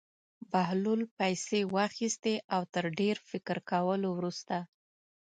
بهلول پېسې واخیستې او تر ډېر فکر کولو وروسته.